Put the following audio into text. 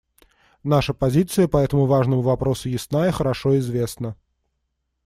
Наша позиция по этому важному вопросу ясна и хорошо известна.